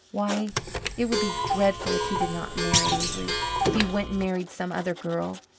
Why, it would be dreadful if he did not marry Avery if he went and married some other girl.